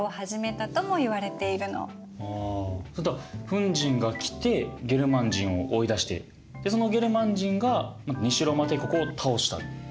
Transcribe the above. フン人が来てゲルマン人を追い出してそのゲルマン人が西ローマ帝国を倒した。